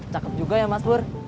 cakep juga ya mas bur